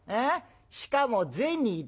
しかも銭だ。